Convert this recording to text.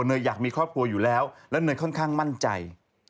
เนยอยากมีครอบครัวอยู่แล้วแล้วเนยค่อนข้างมั่นใจ